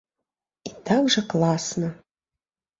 І так жа класна!